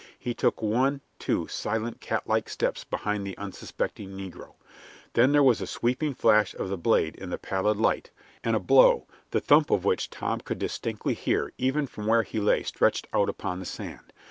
He took one, two silent, catlike steps behind the unsuspecting negro. Then there was a sweeping flash of the blade in the pallid light, and a blow, the thump of which Tom could distinctly hear even from where he lay stretched out upon the sand.